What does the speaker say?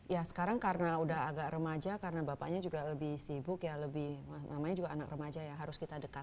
ya sekarang karena udah agak remaja karena bapaknya juga lebih sibuk ya lebih namanya juga anak remaja ya harus kita dekat